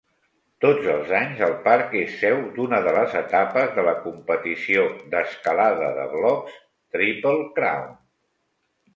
Tots els anys, el parc és seu d'una de les etapes de la competició d'escalada de blocs "Triple Crown".